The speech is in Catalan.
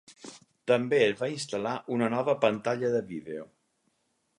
També es va instal·lar una nova pantalla de vídeo.